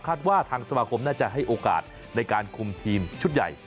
ว่าทางสมาคมน่าจะให้โอกาสในการคุมทีมชุดใหญ่